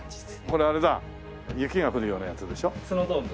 これあれだ雪が降るようなやつでしょ？